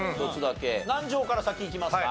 南條から先いきますか？